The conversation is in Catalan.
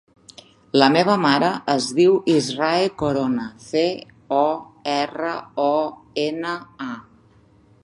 La meva mare es diu Israe Corona: ce, o, erra, o, ena, a.